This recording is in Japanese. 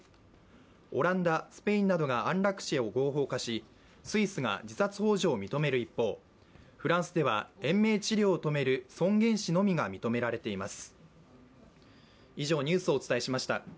オランダ、スペインなどが安楽死を合法化しスイスが自殺ほう助を認める一方フランスでは延命治療を止める尊厳死のみが認められています。